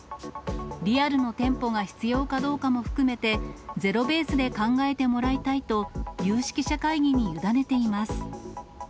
リアルの店舗が必要かどうかも含めて、ゼロベースで考えてもらいたいと、有識者会議に委ねています。